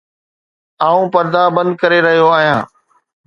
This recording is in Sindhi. آئون پردا بند ڪري رهيو آهيان